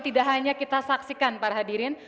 tidak hanya kita saksikan para hadirin